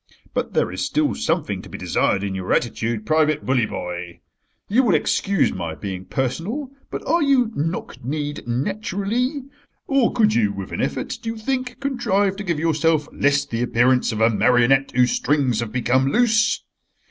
But there is still something to be desired in your attitude, Private Bully boy. You will excuse my being personal, but are you knock kneed naturally? Or could you, with an effort, do you think, contrive to give yourself less the appearance of a marionette whose strings have become loose?